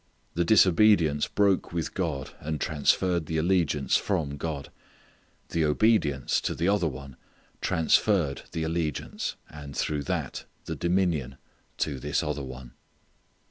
The disobedience broke with God, and transferred the allegiance from God. The obedience to the other one transferred the allegiance, and through that, the dominion to this other one.